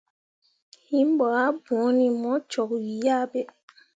Him ɓo ah bõoni mo cok wii ah ɓe.